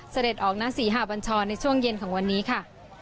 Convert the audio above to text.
เสด็จออกหน้าศรีหาบัญชาในช่วงเย็นของวันนี้ค่ะ